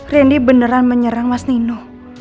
randy beneran menyerang mas nino